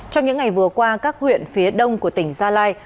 trong những ngày vừa qua các huyện phía đông của tỉnh gia lai